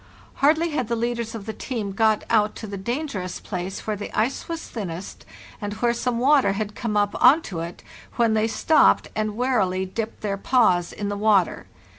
Hardly had the leaders of the team got out to the dangerous place where the ice was thinnest, and where some water had come up on to it, when they stopped and warily dipped their paws in the water.